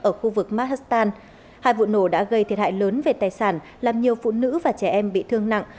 ở khu vực makhastan hai vụ nổ đã gây thiệt hại lớn về tài sản làm nhiều phụ nữ và trẻ em bị thương nặng